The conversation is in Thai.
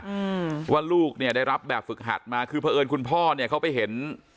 อืมว่าลูกเนี้ยได้รับแบบฝึกหัดมาคือเพราะเอิญคุณพ่อเนี้ยเขาไปเห็น